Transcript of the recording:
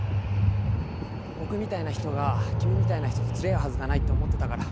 僕みたいな人が君みたいな人と釣り合うはずがないって思ってたから。